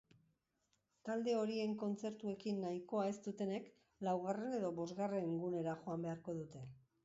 Talde horien kontzertuekin nahikoa ez dutenek laugarren edo bosgarren gunera joan beharko dute.